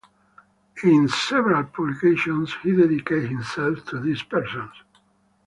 In several publications he dedicated himself to these persons.